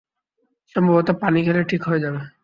সম্ভবত পানি খেলে ঠিক হয়ে যাবে।